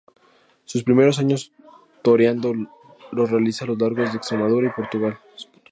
Sus primeros años toreando los realiza a lo largo de Extremadura y Portugal.